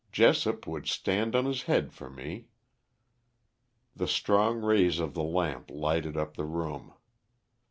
Jessop would stand on his head for me." The strong rays of the lamp lighted up the room.